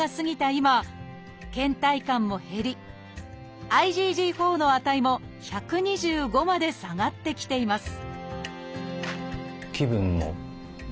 今けん怠感も減りＩｇＧ４の値も１２５まで下がってきています